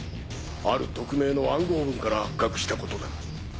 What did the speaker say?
ある匿名の暗号文から発覚したことだ。